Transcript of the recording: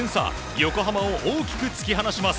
横浜を大きく突き放します。